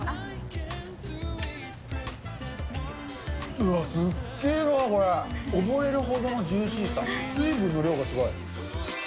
うわっ、すげーな、これ、溺れるほどのジューシーさ、水分の量がすごい。